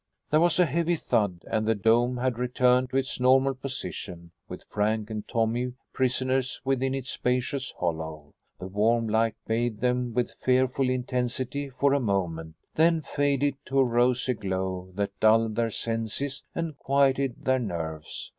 There was a heavy thud and the dome had returned to its normal position, with Frank and Tommy prisoners within its spacious hollow. The warm light bathed them with fearful intensity for a moment, then faded to a rosy glow that dulled their senses and quieted their nerves.